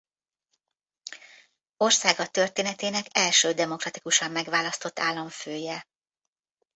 Országa történetének első demokratikusan megválasztott államfője.